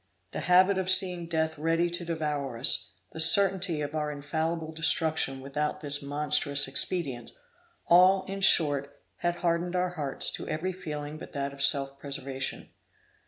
The habit of seeing death ready to devour us; the certainty of our infallible destruction without this monstrous expedient; all, in short, had hardened our hearts to every feeling but that of self preservation.